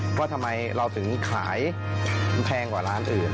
เพราะทำไมเราถึงขายแพงกว่าร้านอื่น